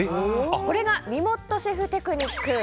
これがみもっとシェフテクニック。